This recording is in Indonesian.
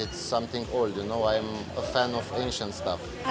gimana mbak tentang barang barangnya bagus dengan harga yang cukup